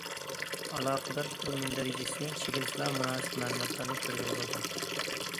ئالاقىدار تۈر مۇندەرىجىسى چېكىلسىلا، مۇناسىپ مەلۇماتلارنى كۆرگىلى بولىدۇ.